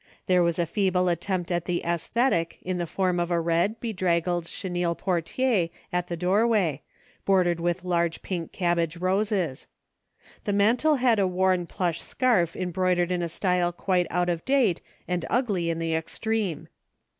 There Avas a feeble attempt at the aesthetic in the form of a red, bedraggled chenille portiere at the door Av ay, bordered with large pink cabbage roses. The mantel had a Avorn plush scarf em broidered in a style quite out of date and ugly in the extreme.